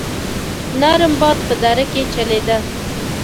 نرم باد په دره کې چلېده.